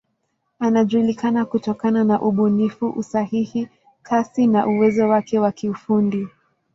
Anajulikana kutokana na ubunifu, usahihi, kasi na uwezo wake wa kiufundi.